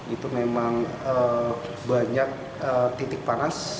itu memang banyak titik panas